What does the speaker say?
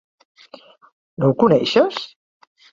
No ho coneixes?